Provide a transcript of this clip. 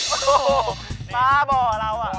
โอ้โหฟ้าบ่อเราอ่ะ